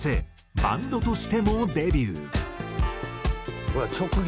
バンドとしてもデビュー。